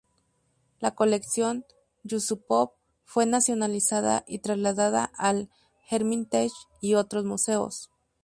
La colección Yusúpov fue nacionalizada y trasladada al Hermitage y otros museos.